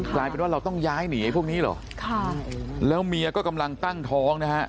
กลายเป็นว่าเราต้องย้ายหนีไอ้พวกนี้เหรอค่ะแล้วเมียก็กำลังตั้งท้องนะฮะ